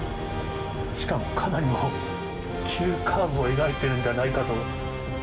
しかもかなりの急カーブを描いているんじゃないかと。